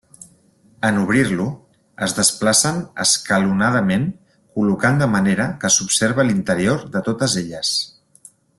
En obrir-lo, es desplacen escalonadament col·locant de manera que s'observa l'interior de totes elles.